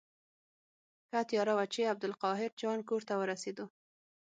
ښه تیاره وه چې عبدالقاهر جان کور ته ورسېدو.